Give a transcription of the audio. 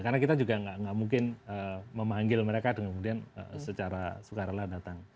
karena kita juga nggak mungkin memanggil mereka kemudian secara sukarela datang